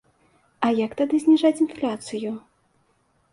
А як тады зніжаць інфляцыю?